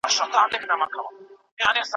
چی مات سوي یو زړه ماتي او کمزوري